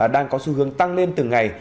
đang có xu hướng tăng lên từng ngày